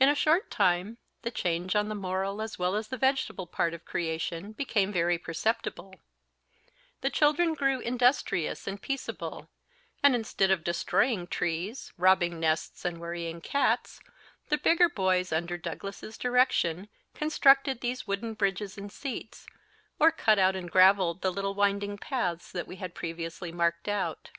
In a short time the change on the moral as well as the vegetable part of creation became very perceptible: the children grew industrious and peaceable; and instead of destroying trees, robbing nests, and worrying cats, the bigger boys, under Douglas's direction, constructed these wooden bridges and seats, or cut out and gravelled the little winding paths that we had previously marked out.